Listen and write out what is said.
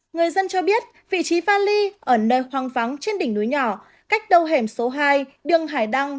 người dân cho biết vị trí vali ở nơi hoang vắng trên đỉnh núi nhỏ cách đầu hẻm số hai đường hải đăng